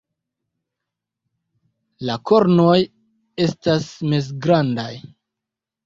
La kornoj estas mezgrandaj.